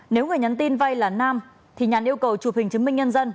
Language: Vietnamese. nếu người nhắn tin vay là nam thì nhàn yêu cầu chụp hình chứng minh nhân dân